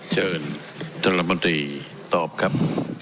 เชิญตลอดมันตรีตอบครับ